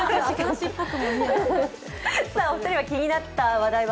お二人は気になった話題は？